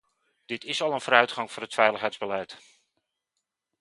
Dit is al een vooruitgang voor het veiligheidsbeleid.